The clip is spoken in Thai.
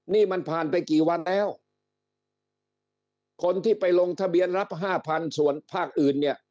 นี่มันผ่านไปกี่วันแล้วคนที่ไปลงทะเบียนรับห้าพันส่วนภาคอื่นเนี่ย